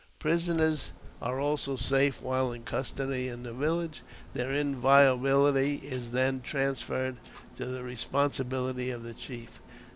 Prisoners are also safe while in custody in the village ; their inviolability is then transferred to the responsi bility of the chief.